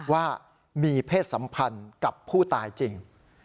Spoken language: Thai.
ว่ามีเพศสัมพันธ์กับผู้ตายจริง